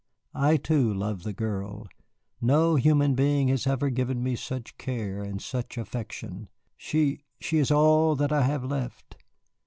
I, too, love the girl. No human being has ever given me such care and such affection. She she is all that I have left.